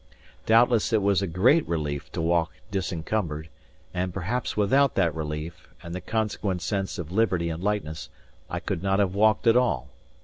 Doubtless it was a great relief to walk disencumbered; and perhaps without that relief, and the consequent sense of liberty and lightness, I could not have walked at all.